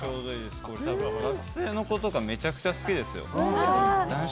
学生の子とかめちゃくちゃ好きですよ。